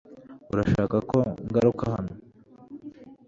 Urashaka ko ngaruka hano